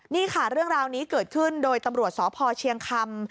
นี่ค่ะเรื่องราวนี้เกิดขึ้นโดยตำรวจสพเชียงคำ